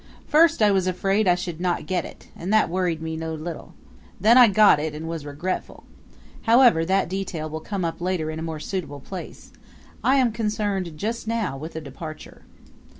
First I was afraid I should not get it, and that worried me no little. Then I got it and was regretful. However, that detail will come up later in a more suitable place. I am concerned now with the departure.